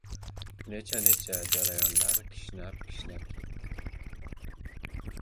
Necha-necha jayronlar kishnab-kishnab ketdi.